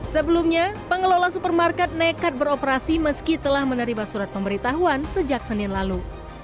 sebelumnya pengelola supermarket nekat beroperasi meski telah menerima surat pemberitahuan sejak senin lalu